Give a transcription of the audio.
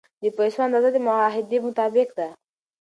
د پیسو اندازه د معاهدې مطابق ده.